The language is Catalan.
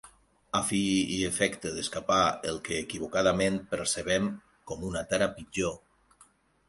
A fi i efecte d'escapar el que equivocadament percebem com una tara pitjor.